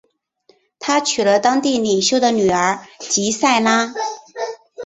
他娶了当地领袖的女儿吉塞拉。